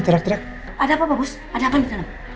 tirak tirak ada apa bagus ada apaan di dalam